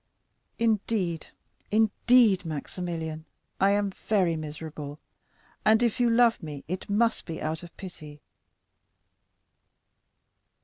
Indeed, indeed, Maximilian, I am very miserable, and if you love me it must be out of pity."